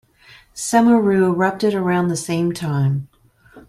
Semeru erupted around the same time.